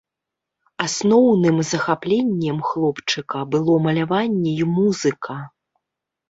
Асноўным захапленнем хлопчыка было маляванне і музыка.